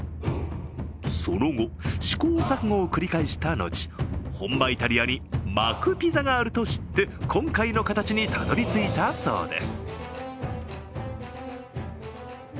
その後、試行錯誤を繰り返した後本場イタリアに巻くピザがあると知って今回の形にたどり着いたそうです。